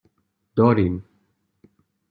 داریم